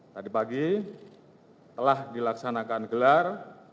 tadi pagi telah dilaksanakan gelar